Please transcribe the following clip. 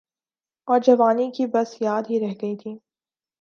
اورجوانی کی بس یاد ہی رہ گئی تھی۔